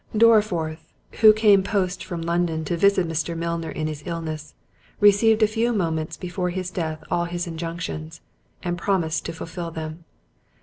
Dorriforth, who came post from London to visit Mr. Milner in his illness, received a few moments before his death all his injunctions, and promised to fulfil them.